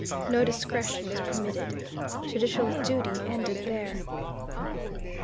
No discretion was permitted. Judicial duty ended there.